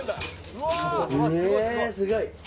すごい。